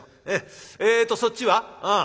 えっとそっちは？